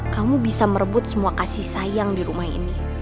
kamu bisa merebut semua kasih sayang di rumah ini